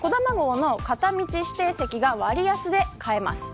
こだまの片道指定席が割安で買えます。